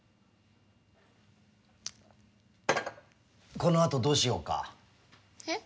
このあとどうしようか？え？